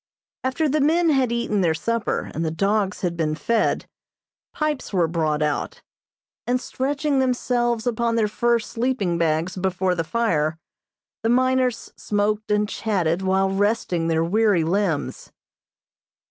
After the men had eaten their supper and the dogs had been fed, pipes were brought out; and, stretching themselves upon their fur sleeping bags before the fire, the miners smoked and chatted while resting their weary limbs.